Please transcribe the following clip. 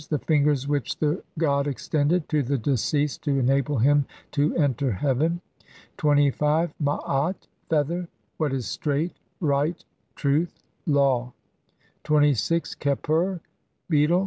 The fingers which the god extended to the deceased to enable him to enter heaven. 25. n maat Feather. What is straight, right, truth, law. 26. w kheper Beetle.